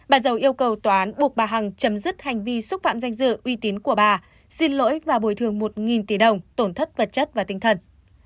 bà dầu yêu cầu tòa án buộc bà hằng chấm dứt hành vi xúc phạm danh dự uy tín của bà xin lỗi và bồi thường một tỷ đồng tổn thất vật chất và tinh thần